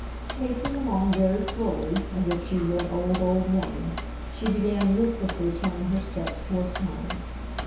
Pacing along very slowly, as if she were an old, old woman, she began listlessly turning her steps towards home.